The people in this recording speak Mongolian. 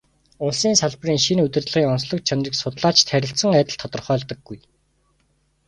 Улсын салбарын шинэ удирдлагын онцлог чанарыг судлаачид харилцан адил тодорхойлдоггүй.